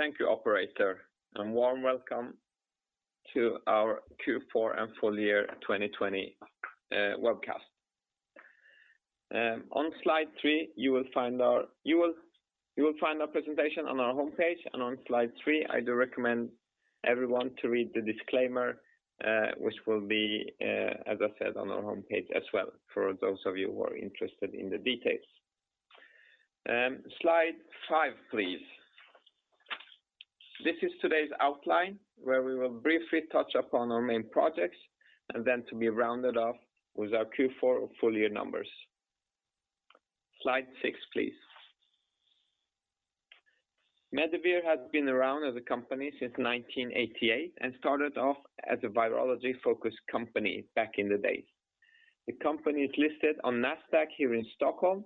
Thank you, operator. Warm welcome to our Q4 and full year 2020 webcast. You will find our presentation on our homepage, and on slide three, I do recommend everyone to read the disclaimer, which will be, as I said, on our homepage as well for those of you who are interested in the details. Slide five, please. This is today's outline, where we will briefly touch upon our main projects, and then to be rounded off with our Q4 full year numbers. Slide six, please. Medivir has been around as a company since 1988 and started off as a virology-focused company back in the day. The company is listed on Nasdaq here in Stockholm,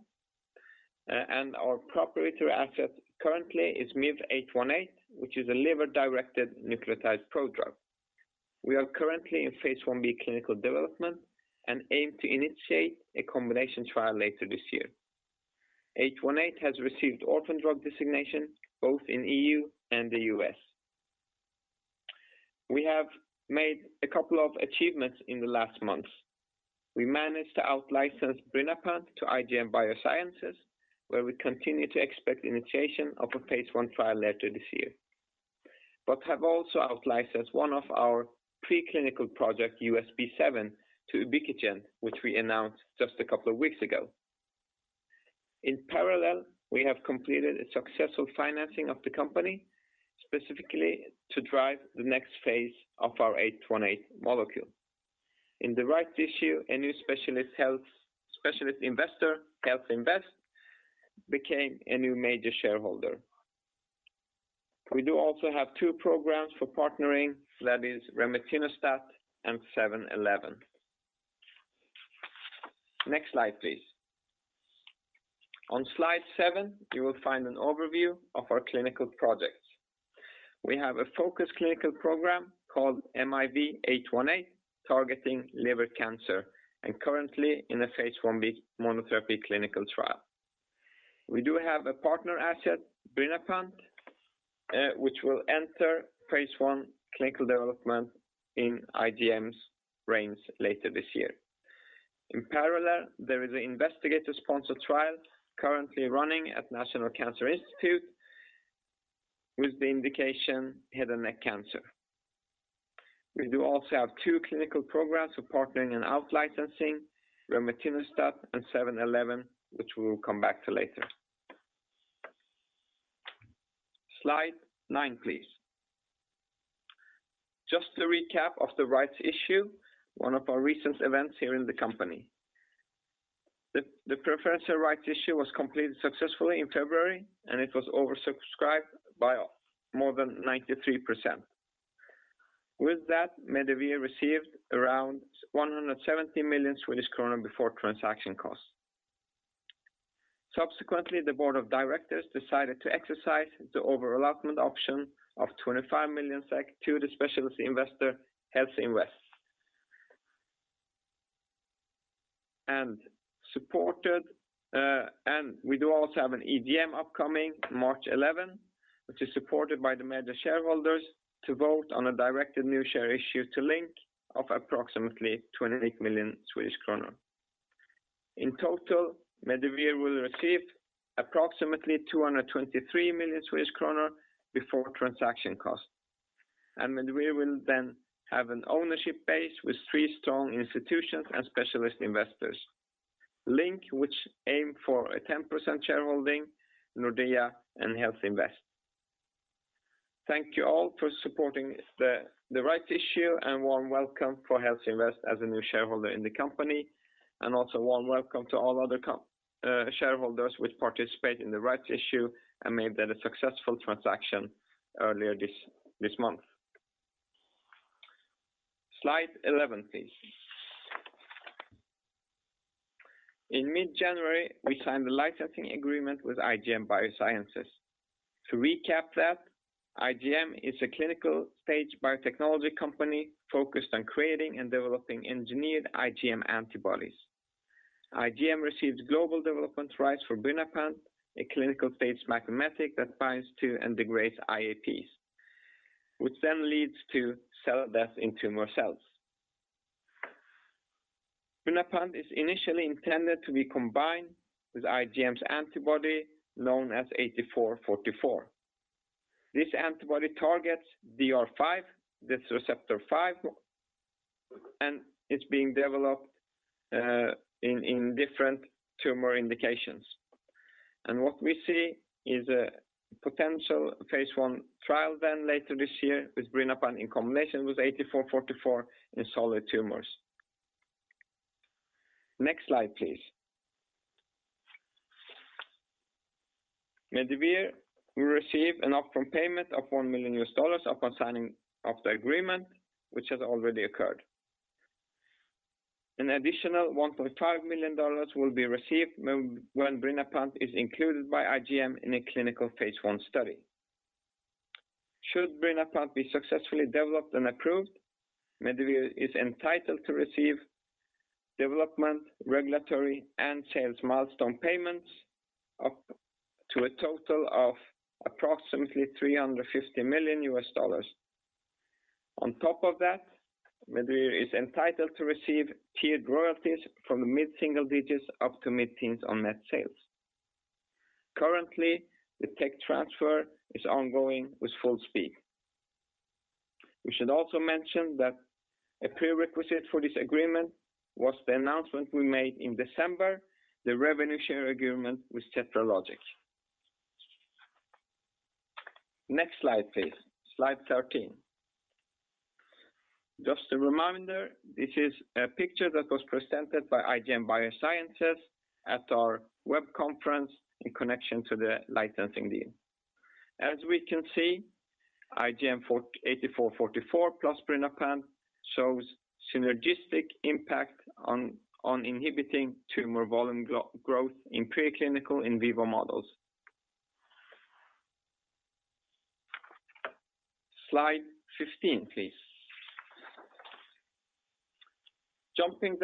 and our proprietary asset currently is MIV-818, which is a liver-directed nucleotide prodrug. We are currently in phase I-B clinical development and aim to initiate a combination trial later this year. MIV-818 has received orphan drug designation both in EU and the U.S. We have made a couple of achievements in the last months. We managed to out-license birinapant to IGM Biosciences, where we continue to expect initiation of a phase I trial later this year. We have also out-licensed one of our preclinical project, USP7, to Ubiquigent, which we announced just a couple of weeks ago. In parallel, we have completed a successful financing of the company, specifically to drive the next phase of our MIV-818 molecule. In the rights issue, a new specialist investor, HealthInvest, became a new major shareholder. We do also have two programs for partnering, that is remetinostat and MIV-711. Next slide, please. On slide seven, you will find an overview of our clinical projects. We have a focused clinical program called MIV-818, targeting liver cancer and currently in a phase I-B monotherapy clinical trial. We do have a partner asset, birinapant, which will enter phase I clinical development in IGM Biosciences' reins later this year. In parallel, there is an investigator-sponsored trial currently running at National Cancer Institute with the indication head and neck cancer. We do also have two clinical programs for partnering and out-licensing, remetinostat and MIV-711, which we will come back to later. Slide nine, please. Just a recap of the rights issue, one of our recent events here in the company. The preference of rights issue was completed successfully in February, and it was oversubscribed by more than 93%. With that, Medivir received around 170 million Swedish kronor before transaction costs. Subsequently, the board of directors decided to exercise the over-allotment option of 25 million SEK to the specialist investor, HealthInvest Partners. We do also have an EGM upcoming March 11, which is supported by the major shareholders to vote on a directed new share issue to Linc of approximately 28 million Swedish kronor. In total, Medivir will receive approximately 223 million Swedish kronor before transaction costs. Medivir will then have an ownership base with three strong institutions and specialist investors. Linc, which aim for a 10% shareholding, Nordea, and HealthInvest. Thank you all for supporting the rights issue, and warm welcome for HealthInvest as a new shareholder in the company. Also warm welcome to all other shareholders which participated in the rights issue and made that a successful transaction earlier this month. Slide 11, please. In mid-January, we signed a licensing agreement with IGM Biosciences. To recap that, IGM is a clinical-stage biotechnology company focused on creating and developing engineered IGM antibodies. IGM receives global development rights for birinapant, a clinical-stage SMAC mimetic that binds to and degrades IAPs, which then leads to cell death in tumor cells. birinapant is initially intended to be combined with IGM's antibody, known as 8444. This antibody targets DR5, death receptor 5, and it's being developed in different tumor indications. What we see is a potential Phase I trial then later this year with birinapant in combination with 8444 in solid tumors. Next slide, please. Medivir will receive an upfront payment of $1 million upon signing of the agreement, which has already occurred. An additional $1.5 million will be received when birinapant is included by IGM in a clinical Phase I study. Should birinapant be successfully developed and approved, Medivir is entitled to receive development, regulatory, and sales milestone payments up to a total of approximately $350 million. On top of that, Medivir is entitled to receive tiered royalties from the mid-single digits up to mid-teens on net sales. Currently, the tech transfer is ongoing with full speed. We should also mention that a prerequisite for this agreement was the announcement we made in December, the revenue share agreement with TetraLogic. Next slide, please. Slide 13. Just a reminder, this is a picture that was presented by IGM Biosciences at our web conference in connection to the licensing deal. As we can see, IGM-8444 plus birinapant shows synergistic impact on inhibiting tumor volume growth in preclinical in vivo models. Slide 15, please. Jumping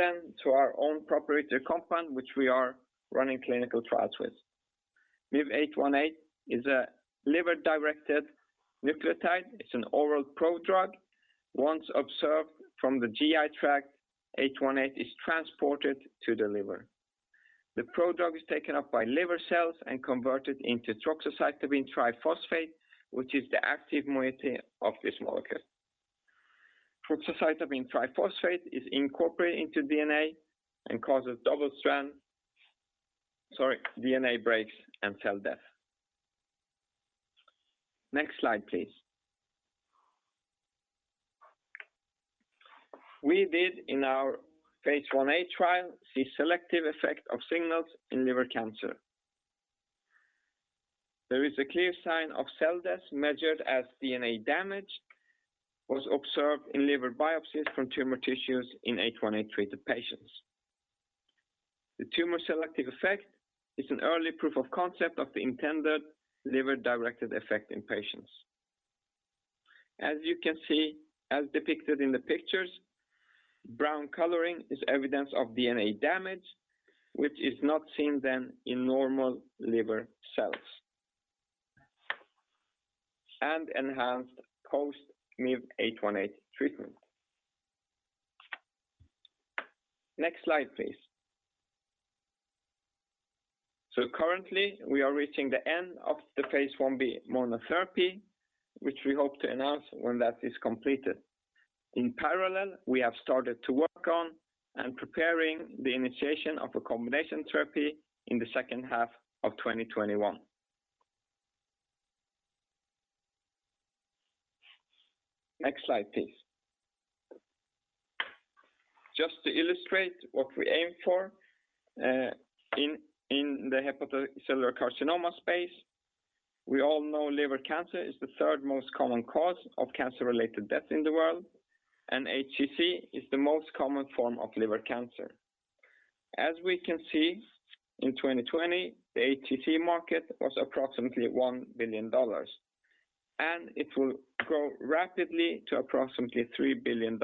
to our own proprietary compound, which we are running clinical trials with. MIV-818 is a liver-directed nucleotide. It's an oral prodrug. Once absorbed from the GI tract, 818 is transported to the liver. The prodrug is taken up by liver cells and converted into troxacitabine triphosphate, which is the active moiety of this molecule. troxacitabine triphosphate is incorporated into DNA and causes double-strand DNA breaks and cell death. Next slide, please. We did in our phase I-A trial see selective effect of signals in liver cancer. There is a clear sign of cell death measured as DNA damage was observed in liver biopsies from tumor tissues in 818-treated patients. The tumor selective effect is an early proof of concept of the intended liver-directed effect in patients. You can see, as depicted in the pictures, brown coloring is evidence of DNA damage, which is not seen then in normal liver cells and enhanced post MIV-818 treatment. Next slide, please. Currently, we are reaching the end of the phase I-B monotherapy, which we hope to announce when that is completed. In parallel, we have started to work on and preparing the initiation of a combination therapy in the second half of 2021. Next slide, please. Just to illustrate what we aim for in the hepatocellular carcinoma space, we all know liver cancer is the third most common cause of cancer-related deaths in the world. HCC is the most common form of liver cancer. As we can see, in 2020, the HCC market was approximately SEK 1 billion, and it will grow rapidly to approximately SEK 3 billion.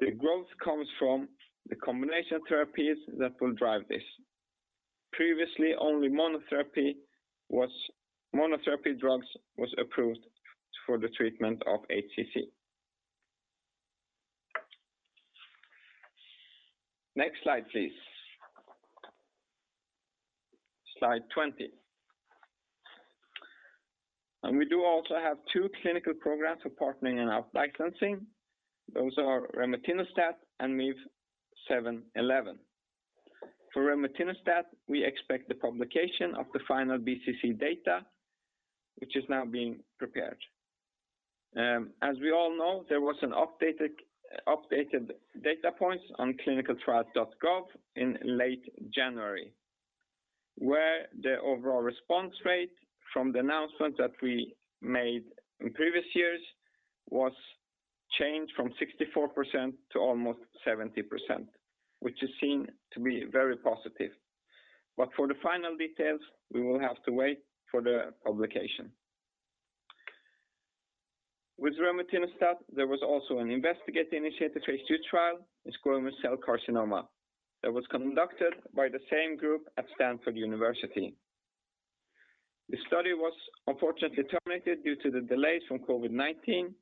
The growth comes from the combination therapies that will drive this. Previously, only monotherapy drugs was approved for the treatment of HCC. Next slide, please. Slide 20. We do also have two clinical programs for partnering and out-licensing. Those are remetinostat and MIV-711. For remetinostat, we expect the publication of the final BCC data, which is now being prepared. As we all know, there was an updated data points on ClinicalTrials.gov in late January, where the overall response rate from the announcement that we made in previous years was changed from 64% to almost 70%, which is seen to be very positive. For the final details, we will have to wait for the publication. With remetinostat, there was also an investigator-initiated phase II trial in squamous cell carcinoma that was conducted by the same group at Stanford University. The study was unfortunately terminated due to the delays from COVID-19,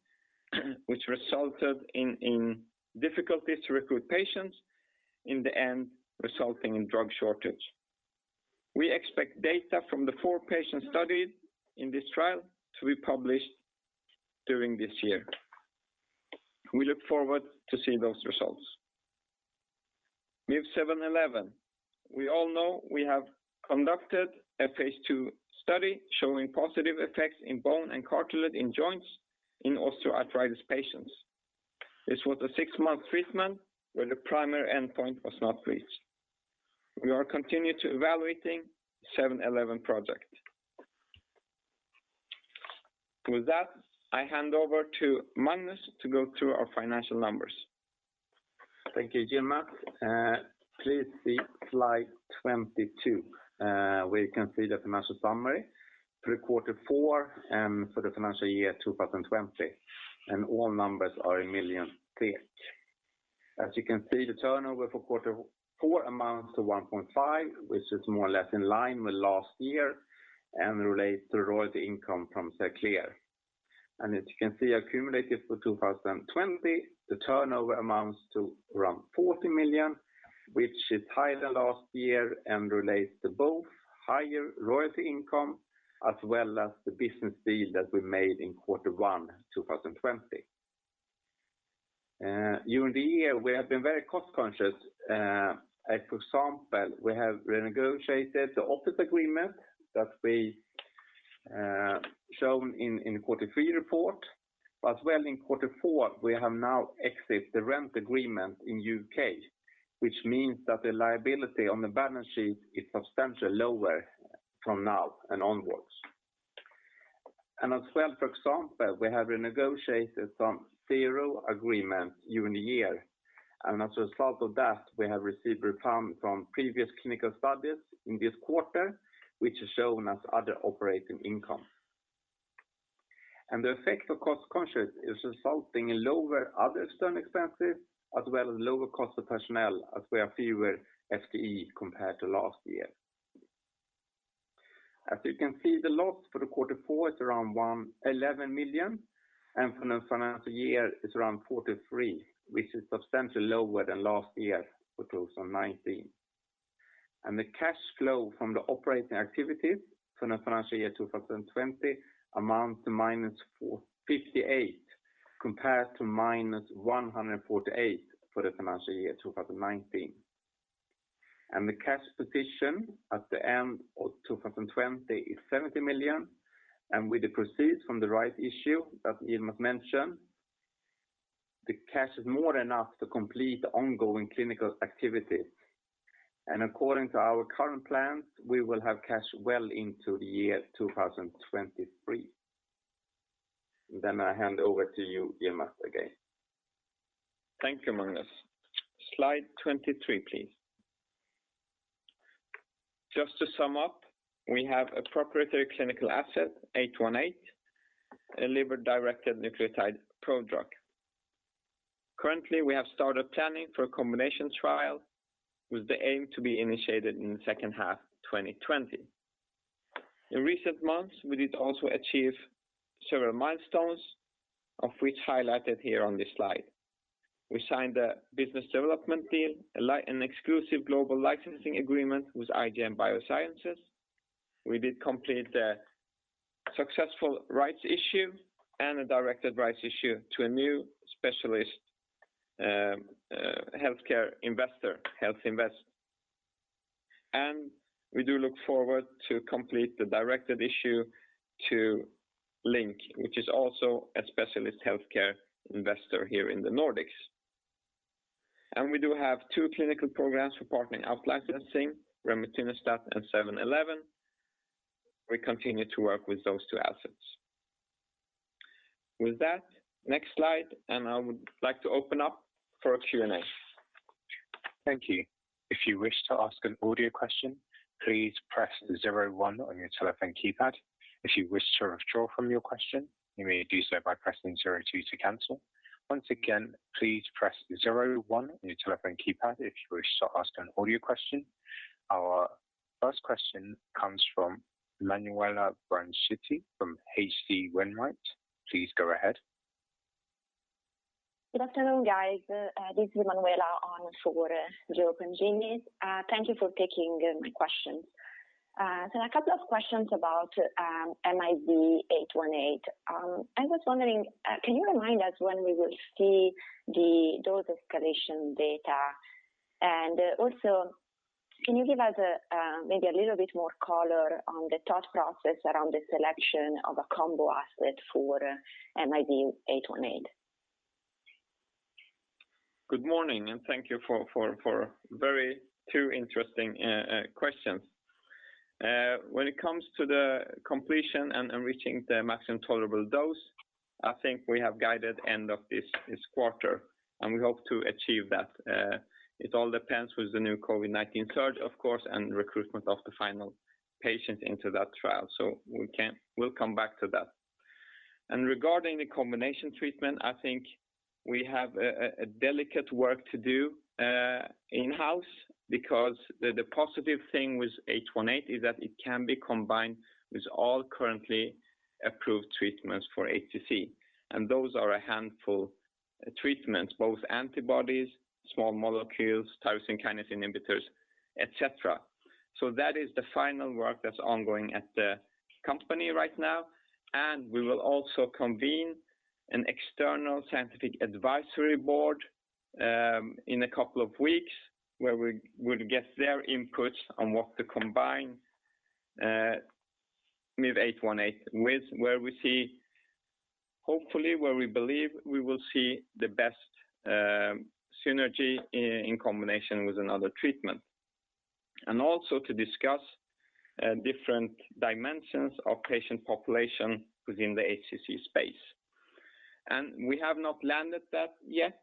which resulted in difficulties to recruit patients, in the end, resulting in drug shortage. We expect data from the four patients studied in this trial to be published during this year. We look forward to see those results. MIV-711. We all know we have conducted a phase II study showing positive effects in bone and cartilage in joints in osteoarthritis patients. This was a six-month treatment where the primary endpoint was not reached. We are continuing to evaluating MIV-711 project. With that, I hand over to Magnus to go through our financial numbers. Thank you, Yilmaz. Please see slide 22, where you can see the financial summary for quarter four and for the financial year 2020. All numbers are in million SEK. As you can see, the turnover for quarter four amounts to 1.5 million, which is more or less in line with last year and relates to royalty income from Xerclear. As you can see accumulated for 2020, the turnover amounts to around 40 million, which is higher than last year and relates to both higher royalty income as well as the business deal that we made in quarter one 2020. During the year, we have been very cost-conscious. For example, we have Renégotiated the office agreement that we shown in quarter three report. As well in quarter four, we have now exit the rent agreement in U.K., which means that the liability on the balance sheet is substantially lower from now and onwards. As well, for example, we have Renégotiated some CRO agreements during the year, and as a result of that, we have received refunds from previous clinical studies in this quarter, which is shown as other operating income. The effect of cost-conscious is resulting in lower other external expenses as well as lower cost of personnel, as we have fewer FTE compared to last year. As you can see, the loss for the quarter four is around 11 million, and for the financial year is around 43 million, which is substantially lower than last year for 2019. The cash flow from the operating activities for the financial year 2020 amounts to -58 compared to -148 for the financial year 2019. The cash position at the end of 2020 is 70 million, and with the proceeds from the rights issue that Yilmaz has mentioned, the cash is more than enough to complete the ongoing clinical activities. According to our current plans, we will have cash well into the year 2023. I hand over to you, Yilmaz, again. Thank you, Magnus. Slide 23, please. Just to sum up, we have a proprietary clinical asset, 818, a liver-directed nucleotide prodrug. Currently, we have started planning for a combination trial with the aim to be initiated in the second half 2020. In recent months, we did also achieve several milestones, of which highlighted here on this slide. We signed a business development deal, an exclusive global licensing agreement with IGM Biosciences. We did complete a successful rights issue and a directed rights issue to a new specialist healthcare investor, HealthInvest. We do look forward to complete the directed issue to Linc, which is also a specialist healthcare investor here in the Nordics. We do have two clinical programs for partner out-licensing, remetinostat and 711. We continue to work with those two assets. With that, next slide, and I would like to open up for a Q&A. Thank you. Our first question comes from Emanuela Branchetti from H.C. Wainwright. Please go ahead. Good afternoon, guys. This is Emanuela on for Joseph Pantginis. Thank you for taking my question. A couple of questions about MIV-818. I was wondering, can you remind us when we will see the dose escalation data? Can you give us maybe a little bit more color on the thought process around the selection of a combo asset for MIV-818? Good morning, thank you for two interesting questions. When it comes to the completion and reaching the maximum tolerated dose, I think we have guided end of this quarter. We hope to achieve that. It all depends with the new COVID-19 surge, of course, recruitment of the final patient into that trial. We'll come back to that. Regarding the combination treatment, I think we have a delicate work to do in-house because the positive thing with 818 is that it can be combined with all currently approved treatments for HCC. Those are a handful treatments, both antibodies, small molecules, tyrosine kinase inhibitors, et cetera. That is the final work that's ongoing at the company right now, and we will also convene an external scientific advisory board in a couple of weeks where we will get their inputs on what to combine MIV-818 with, hopefully where we believe we will see the best synergy in combination with another treatment. Also to discuss different dimensions of patient population within the HCC space. We have not landed that yet,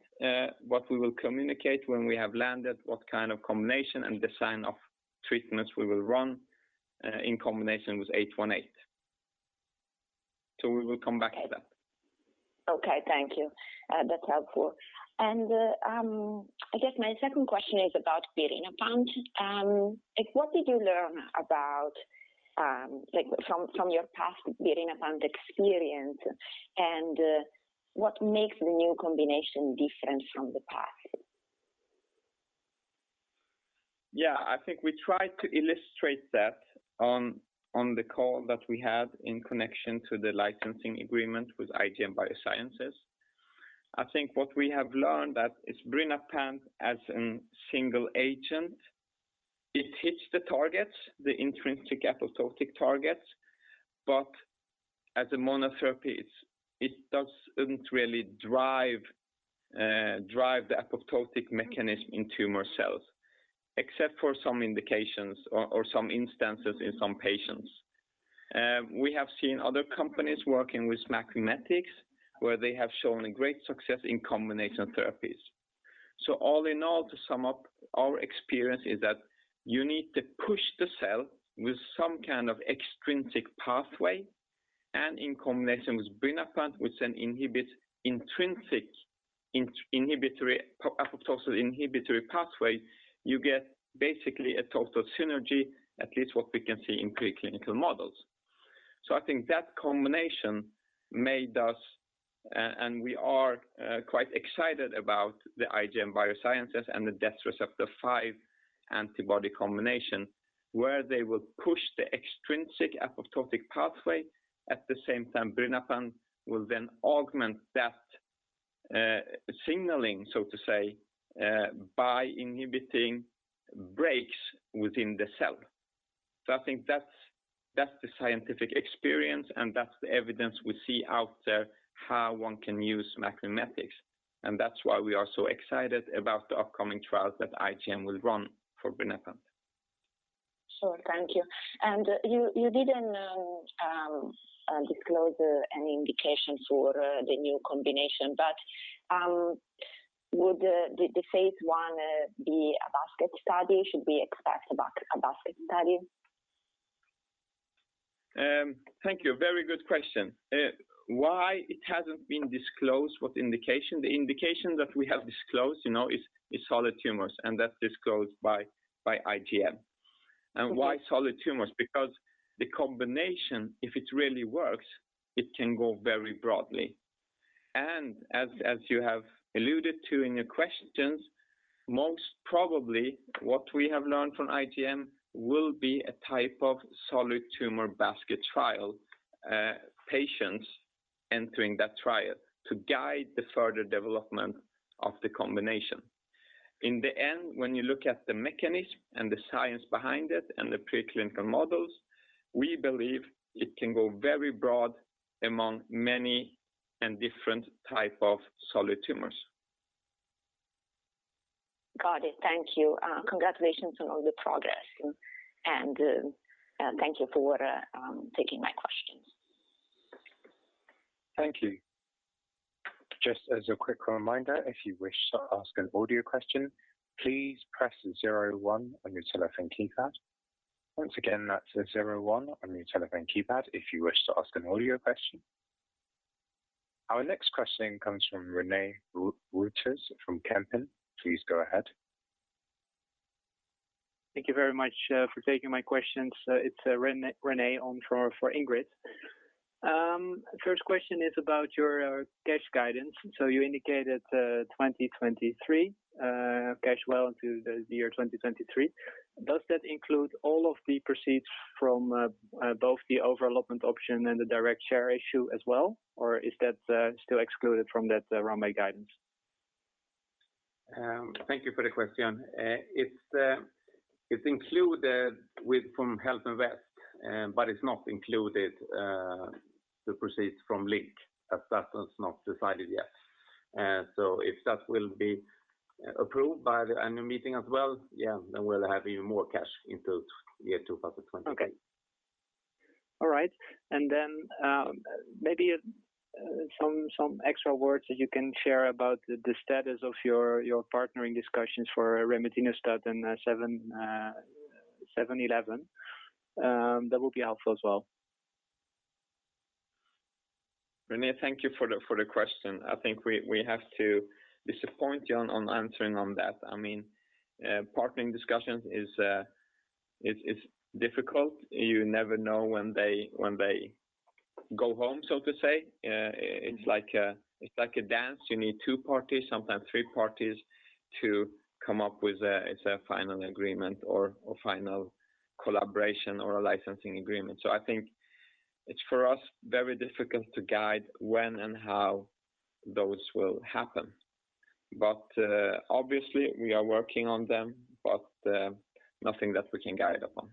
but we will communicate when we have landed what kind of combination and design of treatments we will run in combination with 818. We will come back to that. Okay. Thank you. That's helpful. I guess my second question is about birinapant. What did you learn from your past birinapant experience, and what makes the new combination different from the past? Yeah, I think we tried to illustrate that on the call that we had in connection to the licensing agreement with IGM Biosciences. I think what we have learned that is birinapant as a single agent, it hits the targets, the intrinsic apoptotic targets, but as a monotherapy, it doesn't really drive the apoptotic mechanism in tumor cells, except for some indications or some instances in some patients. We have seen other companies working with SMAC mimetics, where they have shown a great success in combination therapies. All in all, to sum up, our experience is that you need to push the cell with some kind of extrinsic pathway, and in combination with birinapant, which then inhibits intrinsic apoptotic inhibitory pathway, you get basically a total synergy, at least what we can see in preclinical models. I think that combination made us, and we are quite excited about the IGM Biosciences and the death receptor five antibody combination, where they will push the extrinsic apoptotic pathway. At the same time, birinapant will then augment that signaling, so to say, by inhibiting breaks within the cell. I think that's the scientific experience, and that's the evidence we see out there, how one can use SMAC mimetics, and that's why we are so excited about the upcoming trials that IGM will run for birinapant. Sure. Thank you. You didn't disclose any indication for the new combination, but would the phase I be a basket study? Should we expect a basket study? Thank you. Very good question. Why it hasn't been disclosed, what indication? The indication that we have disclosed is solid tumors, and that disclosed by IGM. Why solid tumors? Because the combination, if it really works, it can go very broadly. As you have alluded to in your questions, most probably what we have learned from IGM will be a type of solid tumor basket trial, patients entering that trial to guide the further development of the combination. In the end, when you look at the mechanism and the science behind it and the preclinical models, we believe it can go very broad among many and different type of solid tumors. Got it. Thank you. Congratulations on all the progress. Thank you for taking my questions. Thank you. Just as a quick reminder, if you wish to ask an audio question, please press 01 on your telephone keypad. Once again, that's 01 on your telephone keypad if you wish to ask an audio question. Our next question comes from René Wouters from Kempen. Please go ahead. Thank you very much for taking my questions. It's René for Ingrid. First question is about your cash guidance. You indicated 2023, cash well into the year 2023. Does that include all of the proceeds from both the over-allotment option and the direct share issue as well? Is that still excluded from that runway guidance? Thank you for the question. It's included from HealthInvest Partners, but it's not included, the proceeds from Linc, as that is not decided yet. If that will be approved by the annual meeting as well, yeah, then we'll have even more cash into year 2023. Okay. All right. Maybe some extra words that you can share about the status of your partnering discussions for remetinostat and 711. That would be helpful as well. René, thank you for the question. I think we have to disappoint you on answering on that. Partnering discussions is difficult. You never know when they go home, so to say. It's like a dance. You need two parties, sometimes three parties, to come up with a final agreement or final collaboration or a licensing agreement. I think it's, for us, very difficult to guide when and how those will happen. Obviously we are working on them, but nothing that we can guide upon.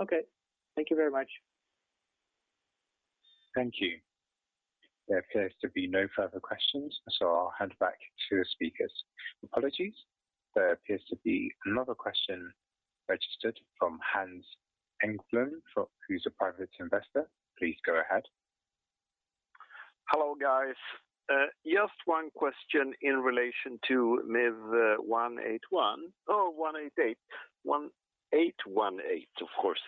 Okay. Thank you very much. Thank you. There appears to be no further questions, so I'll hand back to the speakers. Apologies. There appears to be another question registered from Hans Engblom who is a private investor. Please go ahead. Hello, guys. Just one question in relation to MIV-181. Oh, 188. 1818, of course.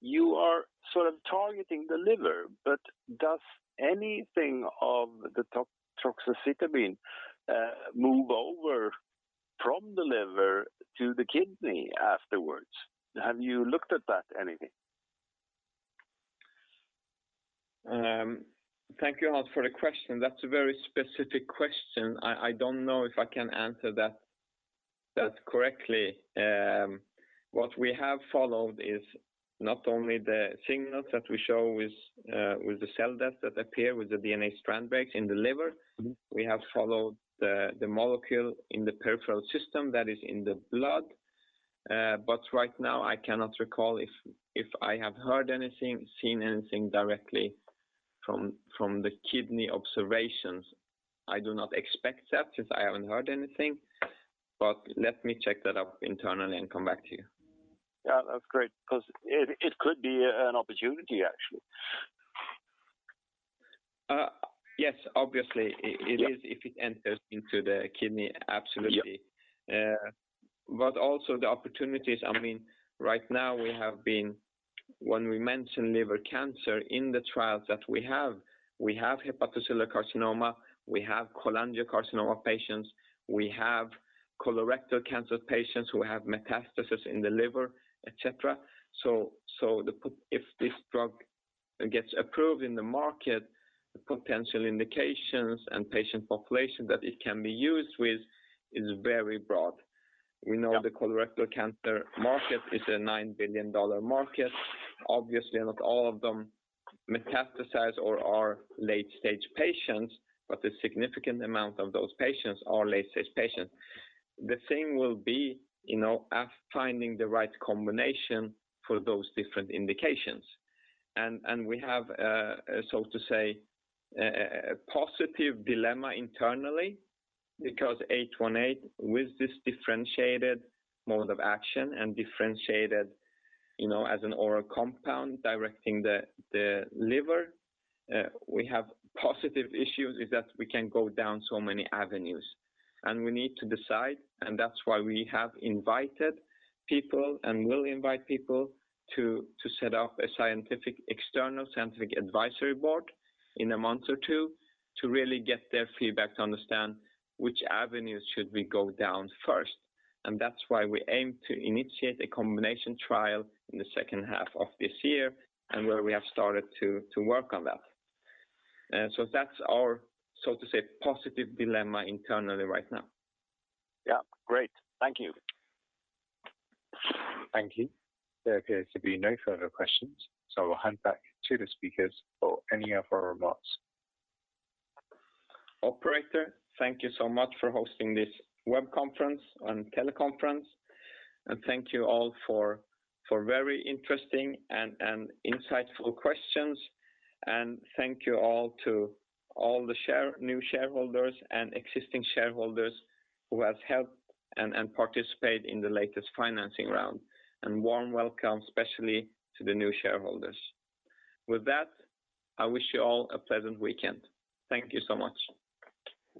You are sort of targeting the liver, but does anything of the troxacitabine move over from the liver to the kidney afterwards? Have you looked at that anything? Thank you, Hans, for the question. That's a very specific question. I don't know if I can answer that correctly. What we have followed is not only the signals that we show with the cell death that appear with the DNA strand breaks in the liver. We have followed the molecule in the peripheral system, that is in the blood. Right now, I cannot recall if I have heard anything, seen anything directly from the kidney observations. I do not expect that since I haven't heard anything, but let me check that up internally and come back to you. Yeah, that's great because it could be an opportunity, actually. Yes, obviously, it is if it enters into the kidney, absolutely. Yeah. Also the opportunities, right now we have been, when we mention liver cancer in the trials that we have, we have hepatocellular carcinoma, we have cholangiocarcinoma patients, we have colorectal cancer patients who have metastasis in the liver, et cetera. If this drug gets approved in the market, the potential indications and patient population that it can be used with is very broad. Yeah. We know the colorectal cancer market is a $9 billion market. Obviously, not all of them metastasize or are late-stage patients, but a significant amount of those patients are late-stage patients. The thing will be finding the right combination for those different indications. We have a, so to say, a positive dilemma internally because 818, with this differentiated mode of action and differentiated as an oral compound directing the liver, we have positive issues is that we can go down so many avenues. We need to decide, and that's why we have invited people and will invite people to set up a external scientific advisory board in a month or two to really get their feedback to understand which avenues should we go down first. That's why we aim to initiate a combination trial in the second half of this year and where we have started to work on that. That's our, so to say, positive dilemma internally right now. Yeah, great. Thank you. Thank you. There appears to be no further questions. I'll hand back to the speakers for any other remarks. Operator, thank you so much for hosting this web conference and teleconference, and thank you all for very interesting and insightful questions. Thank you all to all the new shareholders and existing shareholders who have helped and participated in the latest financing round. Warm welcome, especially to the new shareholders. With that, I wish you all a pleasant weekend. Thank you so much.